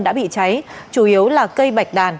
đã bị cháy chủ yếu là cây bạch đàn